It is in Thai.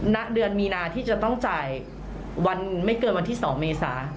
ณเดือนมีนาที่จะต้องจ่ายวันไม่เกินวันที่๒เมษา